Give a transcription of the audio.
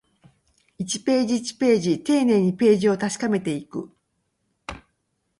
一ページ、一ページ、丁寧にページを確かめていく